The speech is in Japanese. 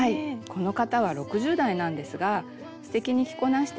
この方は６０代なんですがすてきに着こなしています。